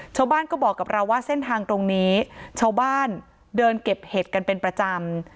ชาวบ้านก็บอกกับเราว่าเส้นทางตรงนี้ชาวบ้านเดินเก็บเห็ดกันเป็นประจำ